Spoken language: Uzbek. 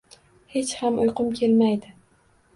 Hech ham uyqum kelmaydi.